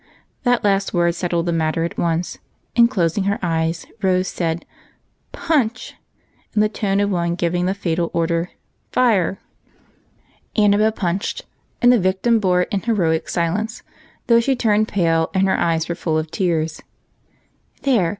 That last word settled the matter, and, closing her eyes. Rose said " Punch !" in the tone of one giving the fatal order " Fire !" Annabel j)unched, and the victim bore it in heroic silence, though she turned pale and her eyes were full of tears of anguish. " There